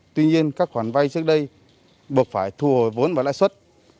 tuy nhiên các khoản vay trước đây buộc phải thu hồi vốn và lãi suất